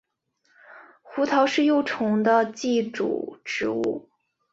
胡桃是幼虫的寄主植物。